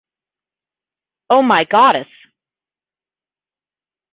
Oh My Goddess!